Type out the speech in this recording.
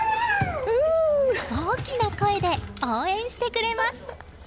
大きな声で応援してくれます。